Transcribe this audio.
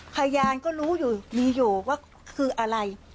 พยานก็รู้อยู่มีอยู่ว่าคืออะไร